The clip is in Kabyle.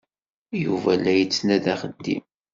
Yuba la yettnadi axeddim.